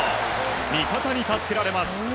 味方に助けられます。